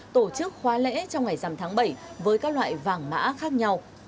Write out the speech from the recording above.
tổ chức khóa lễ trong ngày dằm tháng bảy với các loại vàng mã khác nhau